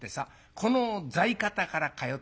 この在方から通ってくるね